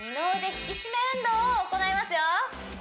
引き締め運動を行いますよ